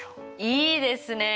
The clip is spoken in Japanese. いいですね！